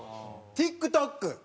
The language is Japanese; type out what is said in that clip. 「ＴｉｋＴｏｋ」。